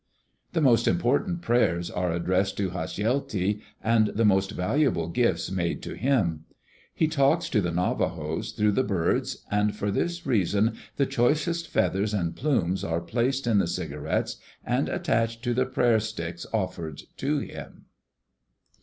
The most important prayers are addressed to Hasjelti and the most valuable gifts made to him. He talks to the Navajos through the birds, and for this reason the choicest feathers and plumes are placed in the cigarettes and attached to the prayer sticks offered to him.